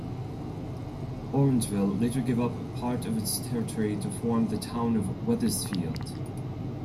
Orangeville later gave up part of its territory to form the Town of Wethersfield.